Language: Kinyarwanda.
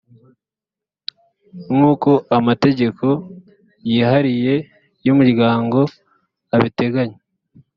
nk’ uko amategeko yihariye y’ umuryango abiteganya